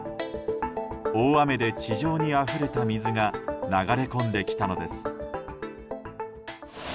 大雨で地上にあふれた水が流れ込んできたのです。